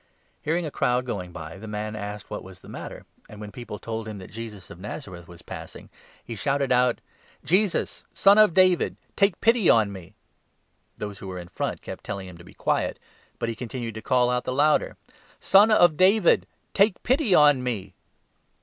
Hearing 36 Man a crowd going by, the man asked what was the matter ; and, when people told him that Jesus of Nazareth was 37 passing, he shouted out : 38 "Jesus, Son of David, take pity on me !" Those who were in front kept telling him to be quiet, but he 39 continued to call out the louder :" Son of David, take pity on me